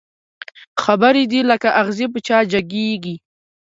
خبري دي لکه اغزي په چا جګېږي